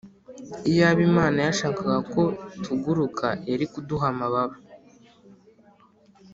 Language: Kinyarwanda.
iyaba imana yashakaga ko tuguruka yari kuduha amababa